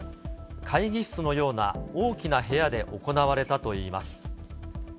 会議室のような大きな部屋で行われたといいます。